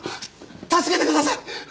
助けてください！